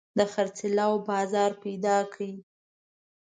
د خرڅلاو بازار پيدا کړي.